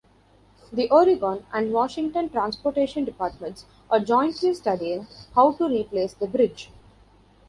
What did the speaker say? The Oregon and Washington transportation departments are jointly studying how to replace the bridge.